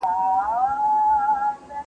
جاسوس زهري ګولۍ تیروي.